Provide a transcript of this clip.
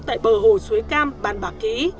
tại bờ hồ suối cam bàn bạc ký